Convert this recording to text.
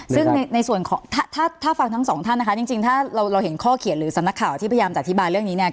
ซึ่งในส่วนของถ้าฟังทั้งสองท่านนะคะจริงถ้าเราเห็นข้อเขียนหรือสำนักข่าวที่พยายามจะอธิบายเรื่องนี้เนี่ย